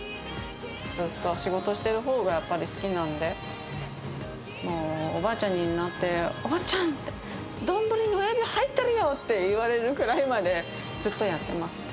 ずっと仕事してるほうがやっぱり好きなので、もう、おばあちゃんになって、おばちゃん、丼に親指入ってるよって言われるくらいまで、ずっとやってます。